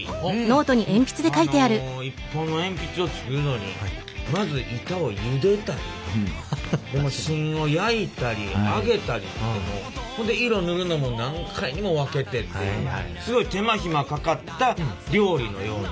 一本の鉛筆を作るのにまず板をゆでたり芯を焼いたり揚げたりほんで色塗るのも何回にも分けてってすごい手間暇かかった料理のような。